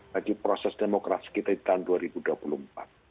bagi proses demokrasi kita di tahun dua ribu dua puluh empat